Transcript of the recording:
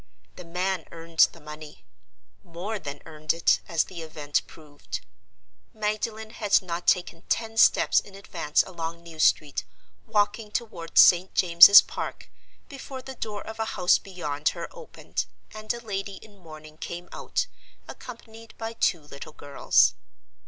The man earned the money—more than earned it, as the event proved. Magdalen had not taken ten steps in advance along New Street, walking toward St. James's Park, before the door of a house beyond her opened, and a lady in mourning came out, accompanied by two little girls.